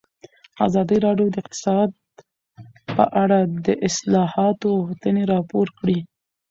ازادي راډیو د اقتصاد په اړه د اصلاحاتو غوښتنې راپور کړې.